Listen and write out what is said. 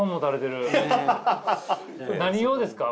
何用ですか？